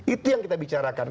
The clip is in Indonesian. itu yang kita bicarakan